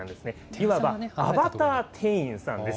いわばアバター店員さんです。